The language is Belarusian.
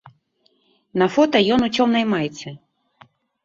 На фота ён у цёмнай майцы.